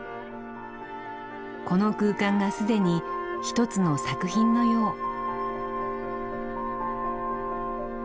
この空間が既に一つの作品のよう。